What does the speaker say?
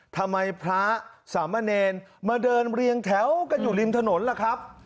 ทำไมพระสามเณรมาเดินเรียงแถวกันอยู่ริมถนนล่ะครับ